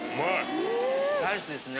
ライスですね。